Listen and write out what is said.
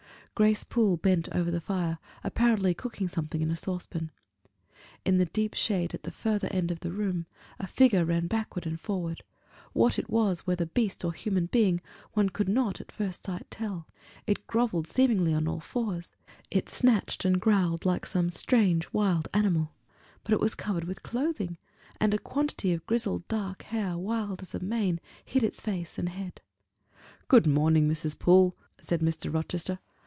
Grace Poole bent over the fire, apparently cooking something in a saucepan. In the deep shade, at the further end of the room, a figure ran backward and forward. What it was, whether beast or human being, one could not at first sight tell; it groveled, seemingly, on all fours; it snatched and growled like some strange wild animal; but it was covered with clothing; and a quantity of dark grizzled hair, wild as a mane, hid its head and face. "Good morning, Mrs. Poole," said Mr. Rochester.